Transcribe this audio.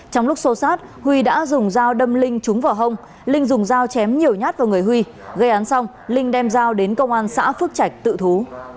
trong lúc xô sát huy đã dùng dao đâm linh trúng vào hông linh dùng dao chém nhiều nhát vào người huy gây án xong linh đem dao đến công an xã phước trạch tự thú